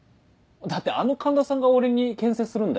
だってあの環田さんが俺にけん制するんだよ？